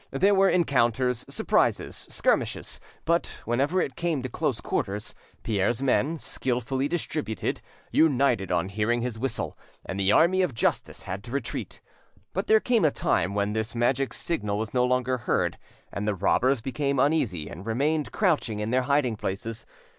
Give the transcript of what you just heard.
There were encounters, surprises, skirmishes; but whenever it came to close quarters, Pierre's men, skilfully distributed, united on hearing his whistle, and the Army of justice had to retreat. But there came a time when this magic signal was no longer heard, and the robbers became uneasy, and remained crouching in their hiding places.